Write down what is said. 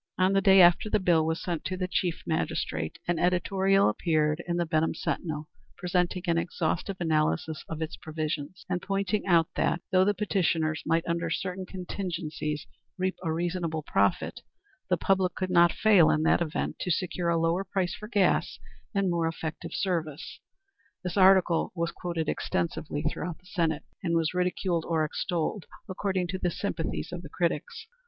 On the day after the bill was sent to the chief magistrate, an editorial appeared in the Benham Sentinel presenting an exhaustive analysis of its provisions, and pointing out that, though the petitioners might under certain contingencies reap a reasonable profit, the public could not fail in that event to secure a lower price for gas and more effective service. This article was quoted extensively throughout the State, and was ridiculed or extolled according to the sympathies of the critics.